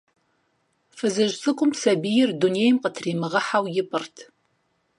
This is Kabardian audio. Фызыжь цӀыкӀум сабийр дунейм къытримыгъэхьэу ипӀырт.